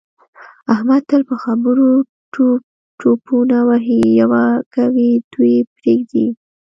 احمد تل په خبروکې ټوپونه وهي یوه کوي دوې پرېږدي.